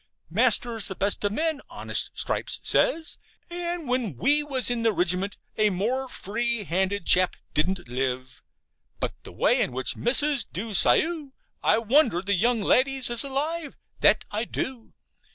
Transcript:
'Master's the best of men,' honest Stripes says, 'and when we was in the ridgment a more free handed chap didn't live. But the way in which Missus DU scryou, I wonder the young ladies is alive, that I du!'